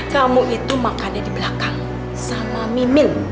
kamu itu makannya di belakang sama mimil